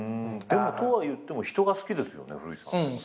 とはいっても人が好きですよね古市さん。